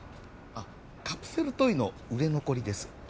あカプセルトイの売れ残りです